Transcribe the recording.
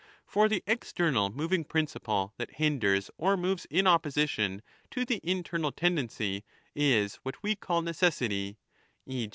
For the external moving principle, that hinders or moves in opposition to the internal tendency, is what we call necessity, e.